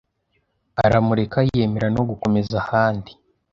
aramureka yemera, no gukomeza ahandi